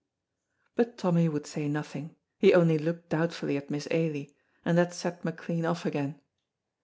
But Tommy would say nothing, he only looked doubtfully at Miss Ailie, and that set McLean off again.